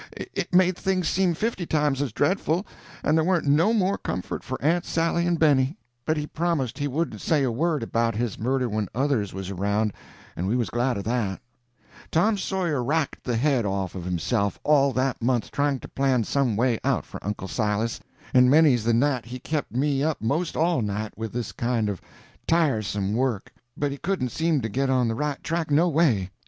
It made things seem fifty times as dreadful, and there warn't no more comfort for Aunt Sally and Benny. But he promised he wouldn't say a word about his murder when others was around, and we was glad of that. [Illustration: Kept me up 'most all night.] Tom Sawyer racked the head off of himself all that month trying to plan some way out for Uncle Silas, and many's the night he kept me up 'most all night with this kind of tiresome work, but he couldn't seem to get on the right track no way.